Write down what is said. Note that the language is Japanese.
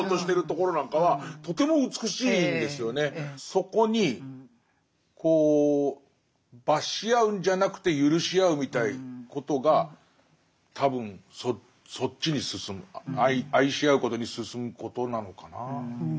そこにこう罰し合うんじゃなくてゆるし合うみたいなことが多分そっちに進む愛し合うことに進むことなのかな。